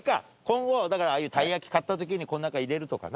今後ああいうたい焼き買った時にこの中入れるとかな。